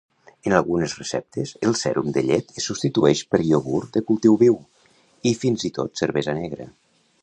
En algunes receptes, el sèrum de llet es substitueix per iogurt de cultiu viu i fins i tot cervesa negra.